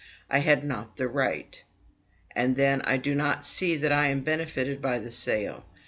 I had not the right. And then I do not see that I am benefited by the sale.